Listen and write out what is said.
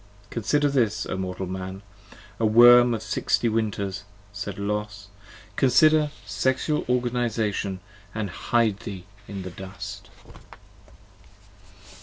Consider this, O mortal Man: O worm of sixty winters, said Los, 58 Consider Sexual Organization & hide thee in the dust.